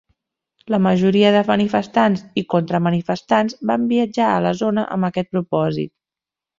La majoria de manifestants i contra-manifestants van viatjar a la zona amb aquest propòsit.